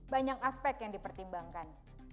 banyak aspek yang dipertimbangkan